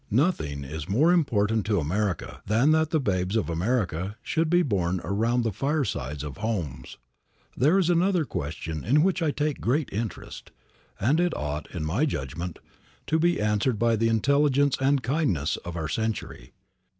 Nothing is more important to America than that the babes of America should be born around the firesides of homes. There is another question in which I take great interest, and it ought, in my judgment, to be answered by the intelligence and kindness of our century.